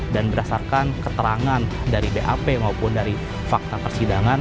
dan berdasarkan keterangan dari bap maupun dari fakta persidangan